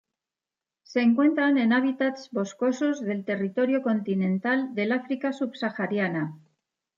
Se encuentran en hábitats boscosos del territorio continental del África subsahariana.